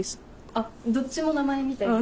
あっどっちも名前みたいな。